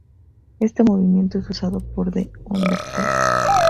Este movimiento es usado por The Undertaker.